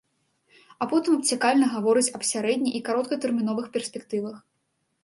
А потым абцякальна гаворыць аб сярэдне- і кароткатэрміновых перспектывах.